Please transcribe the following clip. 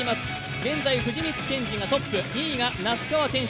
現在、藤光謙司がトップ、２位が那須川天心